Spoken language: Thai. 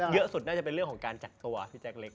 เยอะสุดน่าจะเป็นเรื่องของการจัดตัวพี่แจ๊กเล็ก